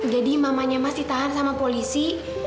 jadi mamanya masih ditahan sama polisi